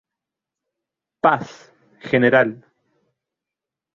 Paz, Gral.